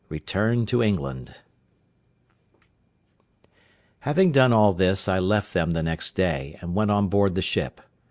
RETURN TO ENGLAND Having done all this I left them the next day, and went on board the ship.